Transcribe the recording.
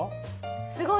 すごい。